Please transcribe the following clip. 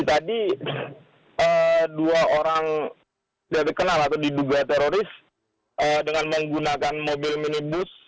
tadi dua orang tidak dikenal atau diduga teroris dengan menggunakan mobil minibus